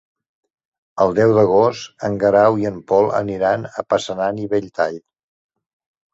El deu d'agost en Guerau i en Pol aniran a Passanant i Belltall.